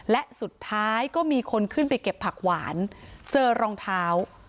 และสุดท้ายก็มีคนขึ้นไปเก็บผักหวานเจอรองเท้า